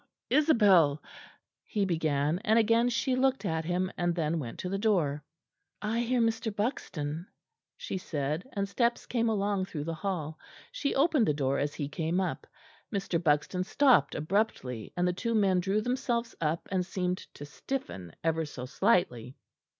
Isabel " he began; and again she looked at him, and then went to the door. "I hear Mr. Buxton," she said; and steps came along through the hall; she opened the door as he came up. Mr. Buxton stopped abruptly, and the two men drew themselves up and seemed to stiffen, ever so slightly.